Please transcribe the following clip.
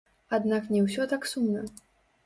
Аднак не ўсё так сумна.